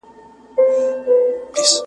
پاچهانو او واکمنانو یو بل ته